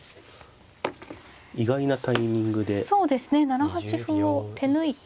７八歩を手抜いて。